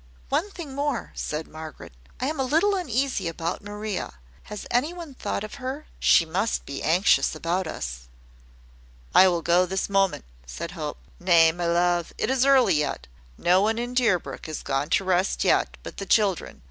"One thing more," said Margaret. "I am a little uneasy about Maria. Has any one thought of her? She must be anxious about us." "I will go this moment," said Hope. "Nay, my love, it is early yet; no one in Deerbrook is gone to rest yet, but the children.